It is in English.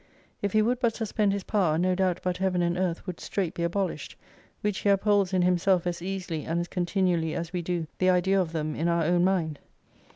If He would but suspend His power, no doubt but Heaven and Earth would straight be abolished, which He upholds in Himself as easily and as continually as we do the idea of them in our own mind.